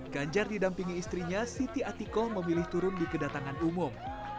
ganjar didampingi istrinya siti atikoh memilih turun di kedatangan umum